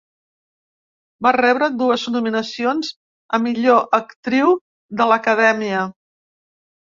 Va rebre dues nominacions a millor actriu de l'Acadèmia.